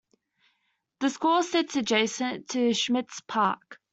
The school sits adjacent to Schmitz Park.